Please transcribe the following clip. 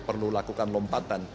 perlu lakukan lompatan